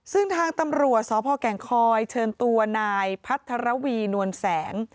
ซึ่งทางตำรวจสพแก่งคอยเชิญตัวนายพัทรวีนวลแสง